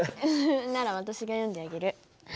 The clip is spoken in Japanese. なら私が読んであげる。